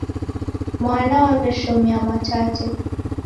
Mwana waw'eshomia Mwatate.